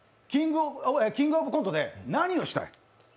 「キングオブコント」で何をしたい？